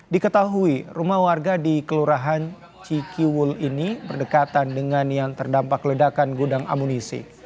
diketahui rumah warga di kelurahan cikiwul ini berdekatan dengan yang terdampak ledakan gudang amunisi